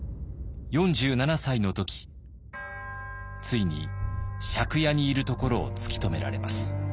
４７歳の時ついに借家にいるところを突き止められます。